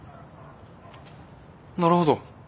なるほど。